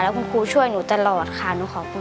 คุณครูช่วยหนูตลอดค่ะหนูขอบคุณ